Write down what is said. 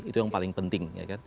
itu yang paling penting